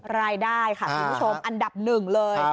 รายได้ค่ะคุณผู้ชมอันดับหนึ่งเลย